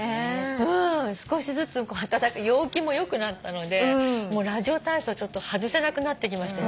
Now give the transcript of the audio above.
少しずつ陽気もよくなったのでラジオ体操は外せなくなってきましたよ。